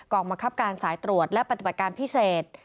บังคับการสายตรวจและปฏิบัติการพิเศษ